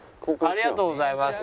ありがとうございます。